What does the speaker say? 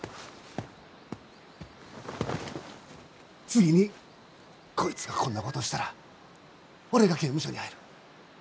次にこいつがこんなことしたら俺が刑務所に入る。